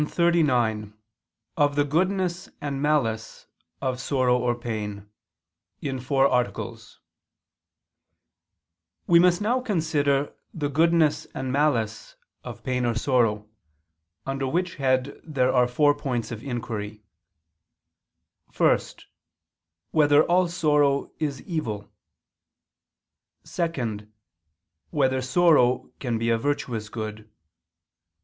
Animal._ xi. ________________________ QUESTION 39 OF THE GOODNESS AND MALICE OF SORROW OR PAIN (In Four Articles) We must now consider the goodness and malice of pain or sorrow: under which head there are four points of inquiry: (1) Whether all sorrow is evil? (2) Whether sorrow can be a virtuous good?